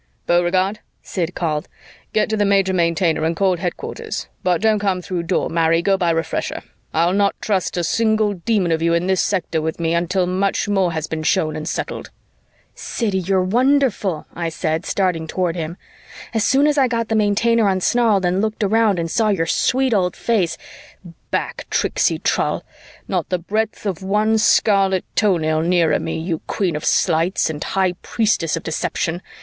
"Beauregard!" Sid called. "Get to the Major Maintainer and call headquarters. But don't come through Door, marry go by Refresher. I'll not trust a single Demon of you in this sector with me until much more has been shown and settled." "Siddy, you're wonderful," I said, starting toward him. "As soon as I got the Maintainer unsnarled and looked around and saw your sweet old face " "Back, tricksy trull! Not the breadth of one scarlet toenail nearer me, you Queen of Sleights and High Priestess of Deception!"